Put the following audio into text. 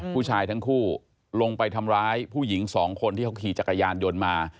ผู้ชายทั้งคู่ลงไปทำร้ายผู้หญิงสองคนที่เขาขี่จักรยานยนต์มา